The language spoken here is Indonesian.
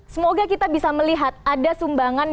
semoga kita bisa melihat ada sumbangan